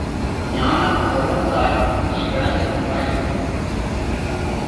ஞானக் கொழுந்தாய் நீ விளங்குகின்றாய்.